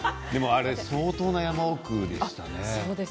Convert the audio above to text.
相当な山奥でしたね。